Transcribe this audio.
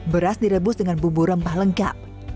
beras direbus dengan bumbu rempah lengkap